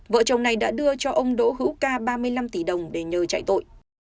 vợ chồng này đã đưa cho ông đỗ hữu ca ba mươi năm tỷ đồng để nhờ chạy tội